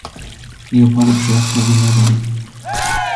Leopoldo Trieste is a nobody.